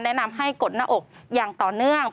แนะนำให้กดหน้าอกอย่างต่อเนื่อง